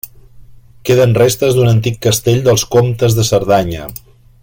Queden restes d'un antic castell dels comtes de Cerdanya.